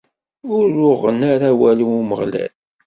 Ur uɣen ara awal i Umeɣlal.